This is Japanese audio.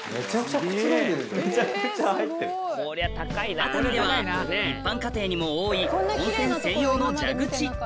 熱海では一般家庭にも多い温泉専用の蛇口